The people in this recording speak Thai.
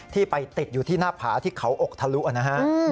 ไปติดอยู่ที่หน้าผาที่เขาอกทะลุนะฮะ